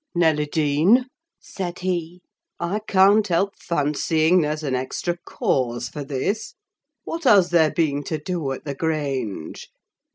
"Nelly Dean," said he, "I can't help fancying there's an extra cause for this. What has there been to do at the Grange?